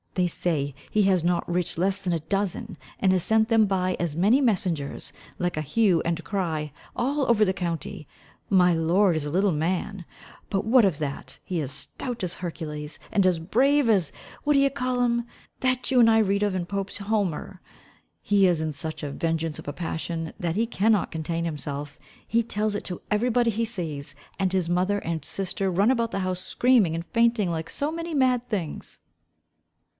They say he has not writ less than a dozen, and has sent them by as many messengers, like a hue and cry, all over the county my lord is a little man but what of that he is as stout as Hercules, and as brave as what d'ye call'um, that you and I read of in Pope's Homer. He is in such a vengeance of a passion, that he cannot contain himself. He tells it to every body he sees; and his mother and sister run about the house screaming and fainting like so many mad things."